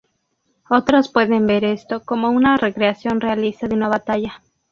Otros pueden ver esto como una recreación realista de una batalla.